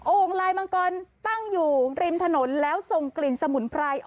โอ่งลายบางกรตั้งอยู่ริมถนนและส่งกลิ่นสมุนไพรออกมา